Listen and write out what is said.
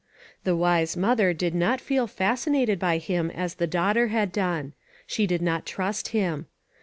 The wise mother did not feel fascinated by Lira as the daugh ter h^d done. She did not trust him.